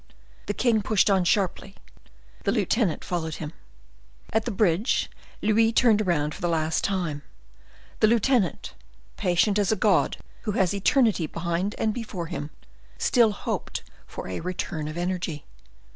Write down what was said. The king pushed on sharply, the lieutenant followed him. At the bridge Louis turned around for the last time. The lieutenant, patient as a god who has eternity behind and before him, still hoped for a return of energy.